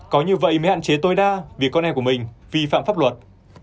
có như vậy mới hạn chế tối đa vì con em của mình vi phạm pháp luật